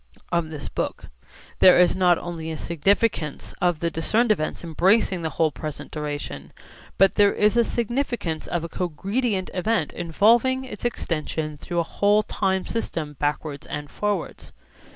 74) of this book. There is not only a significance of the discerned events embracing the whole present duration, but there is a significance of a cogredient event involving its extension through a whole time system backwards and forwards.